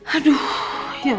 aduh ya allah